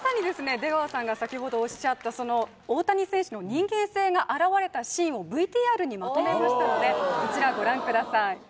出川さんが先ほどおっしゃった大谷選手の人間性があらわれたシーンをＶＴＲにまとめましたのでこちらご覧ください